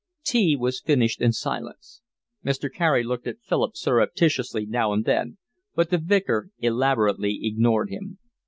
Tea was finished in silence. Mrs. Carey looked at Philip surreptitiously now and then, but the Vicar elaborately ignored him.